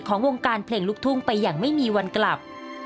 วงการเพลงลูกทุ่งไปอย่างไม่มีวันกลับ